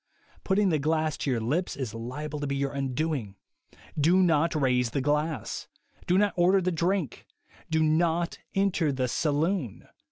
Putting the glass to your lips is liable to be your undoing. Do not raise the glass. Do not order the drink. Do not enter the saloon.